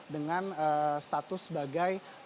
dengan status sebagai